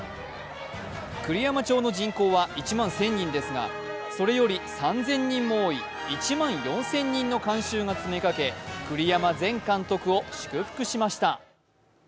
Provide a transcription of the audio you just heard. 栗山町の人口は１万１０００人ですがそれより３０００人も多い１万４０００人の観衆が詰めかけ、栗山前監督を祝福しました。